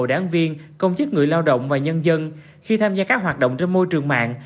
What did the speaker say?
đáng viên công chức người lao động và nhân dân khi tham gia các hoạt động trên môi trường mạng